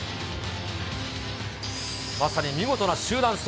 まさに見事な集団走。